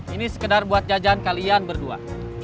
ini sekedar buat jajan kalian berdua